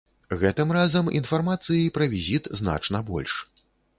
Гэтым разам інфармацыі пра візіт значна больш.